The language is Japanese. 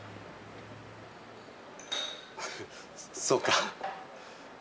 そうか。